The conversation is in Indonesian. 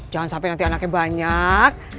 jangan sampai nanti anaknya banyak